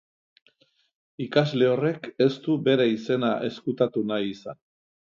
Ikasle horrek ez du bere izena ezkutatu nahi izan.